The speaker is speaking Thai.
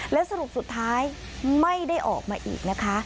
และสรุปสุดท้ายไม่ได้ออกมาอีกนะคะ